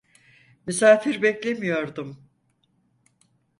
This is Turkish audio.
Misafir beklemiyordum.